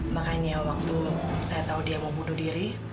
makanya waktu saya tahu dia mau bunuh diri